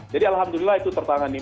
jadi alhamdulillah itu tertangani